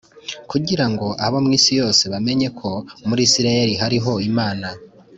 kugira ngo abo mu isi yose bamenye ko muri Isirayeli harimo Imana